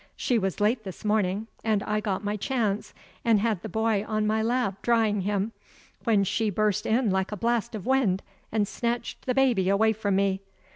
She was late this morning, and I got my chance, and had the boy on my lap, drying him when in she burst like a blast of wind, and snatched the baby away from me.